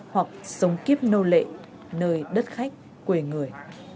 hoặc sống kiếp nâu lệ nơi đất khách quề người